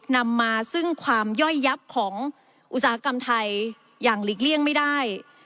นำมาซึ่งความย่อยยับของอุตสาหกรรมไทยอย่างหลีกเลี่ยงไม่ได้